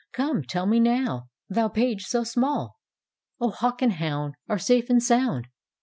Come tell me now, thou page so small! "" O, Hawk and Hound Are safe and sound.